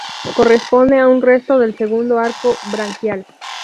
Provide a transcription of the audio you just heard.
Corresponde a un resto del segundo arco branquial.